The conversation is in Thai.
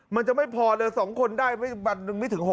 มันจะไม่พอเลย๒คนได้มันไม่ถึง๖๐๐อ่ะ